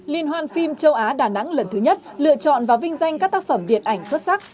liên hoan phim châu á đà nẵng lần thứ nhất lựa chọn và vinh danh các tác phẩm điện ảnh xuất sắc